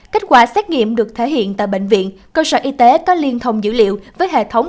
kết quả xét nghiệm được thể hiện tại bệnh viện cơ sở y tế có liên thông dữ liệu với hệ thống